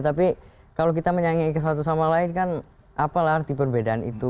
tapi kalau kita menyanyi ke satu sama lain kan apalah arti perbedaan itu